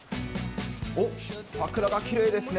桜がきれいですね。